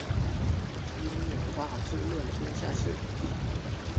焉有大智论天下事！